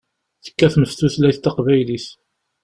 Tekkatem ɣef tutlayt taqbaylit.